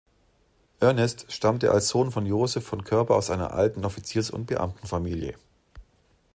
Ernest stammte als Sohn von Josef von Koerber aus einer alten Offiziers- und Beamtenfamilie.